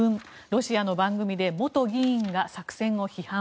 ロシアの番組で元議員が作戦を批判。